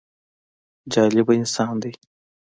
جالبه انسان دی.